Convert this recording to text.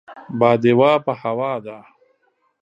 باديوه په هوا ده.